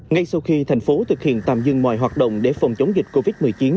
ngay sau khi tp thực hiện tạm dừng mọi hoạt động để phòng chống dịch covid một mươi chín